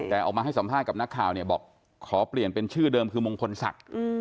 แต่ออกมาให้สัมภาษณ์กับนักข่าวเนี่ยบอกขอเปลี่ยนเป็นชื่อเดิมคือมงคลศักดิ์